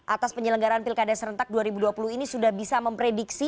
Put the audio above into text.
atas penyelenggaraan pilkada serentak dua ribu dua puluh ini sudah bisa memprediksi